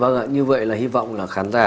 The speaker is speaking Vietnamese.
vâng ạ như vậy là hy vọng là khán giả